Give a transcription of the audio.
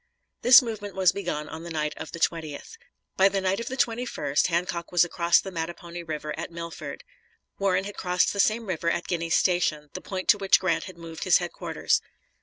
This movement was begun on the night of the 20th. By the night of the 21st Hancock was across the Mattapony River at Milford. Warren had crossed the same river at Guiney's Station, the point to which Grant had moved his headquarters.